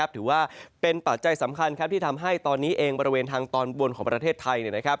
ถือว่าเป็นปัจจัยสำคัญที่ทำให้ตอนนี้เองบริเวณทางตอนบนของประเทศไทย